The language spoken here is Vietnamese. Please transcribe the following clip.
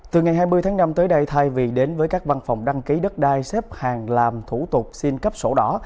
từ ngày hai mươi tháng năm tới đây thay vì đến với các văn phòng đăng ký đất đai xếp hàng làm thủ tục xin cấp sổ đỏ